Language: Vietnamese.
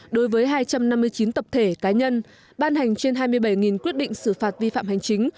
đối với hai trăm năm mươi chín tập thể cá nhân ban hành trên hai mươi bảy quyết định xử phạt vi phạm hành chính